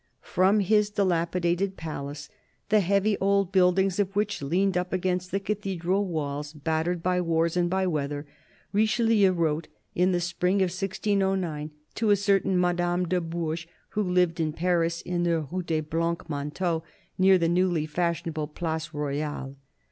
From his dilapidated palace, the heavy old buildings of which leaned up against cathedral walls battered by wars and by weather, Richelieu wrote in the spring of 1609 to a certain Madame de Bourges, who lived in Paris, in the Rue des Blanc manteaux, near the newly fashionable Place Royale.